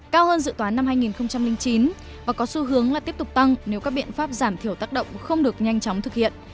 cao hơn dự toán năm hai nghìn chín và có xu hướng là tiếp tục tăng nếu các biện pháp giảm thiểu tác động không được nhanh chóng thực hiện